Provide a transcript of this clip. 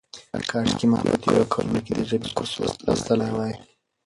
کاشکې ما په تېرو کلونو کې د ژبې کورس لوستی وای.